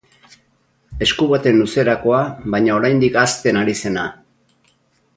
Esku baten luzerakoa baina oraindik hazten ari zena.